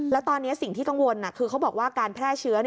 แล้วตอนนี้สิ่งที่กังวลคือเขาบอกว่าการแพร่เชื้อ